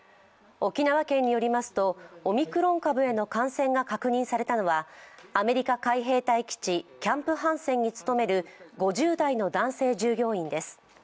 沖縄県によりますと、オミクロン株への感染が確認されたのはアメリカ海兵隊基地キャンプ・ハンセンに勤める５０代の男性従業員です。